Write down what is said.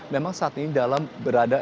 memang saat ini dalam berada